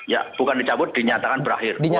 ya bukan dicabut dinyatakan berakhir